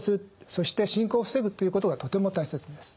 そして進行を防ぐということがとても大切です。